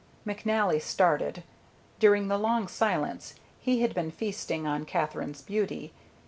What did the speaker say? McNally started. During the long silence he had been feasting on Katherine's beauty.